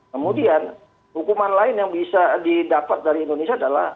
kemudian hukuman lain yang bisa didapat dari indonesia adalah